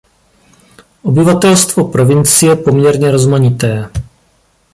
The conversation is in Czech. Obyvatelstvo provincie poměrně rozmanité.